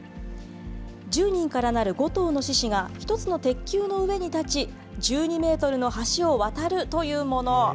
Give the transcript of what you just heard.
１０人からなる５頭の獅子が１つの鉄球の上に立ち１２メートルの橋を渡るというもの。